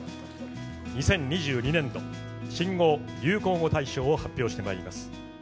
２０２２年度新語・流行語大賞を発表してまいります。